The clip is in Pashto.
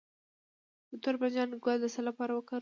د تور بانجان ګل د څه لپاره وکاروم؟